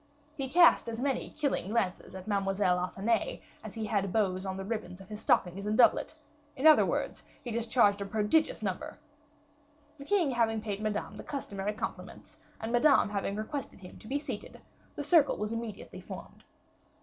He cast as many killing glances at Mademoiselle Athenais as he had bows of ribbons on his stockings and doublet; in other words he discharged a prodigious number. The king having paid Madame the customary compliments, and Madame having requested him to be seated, the circle was immediately formed.